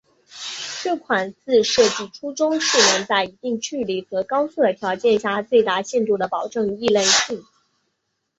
这款字设计初衷是能在一定距离和高速的条件下最大限度地保证易认性。